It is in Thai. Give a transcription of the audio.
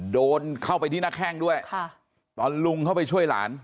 โดนเข้าไปที่หน้าแข้งด้วยค่ะตอนลุงเข้าไปช่วยหลาน